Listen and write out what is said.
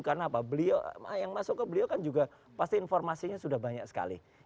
karena apa beliau yang masuk ke beliau kan juga pasti informasinya sudah banyak sekali